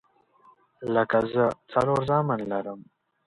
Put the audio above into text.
لکه زه څلور زامن لرم